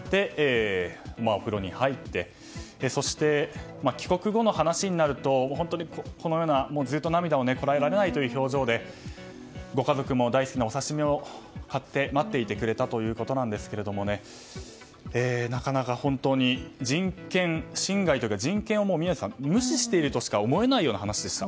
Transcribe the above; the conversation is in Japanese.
お風呂に入ってそして、帰国後の話になると本当に、ずっと涙をこらえられないという表情で、ご家族も大好きなお刺し身を買って待っていてくれたということですが人権侵害というか宮司さん、人権を無視しているとしか思えないような話でした。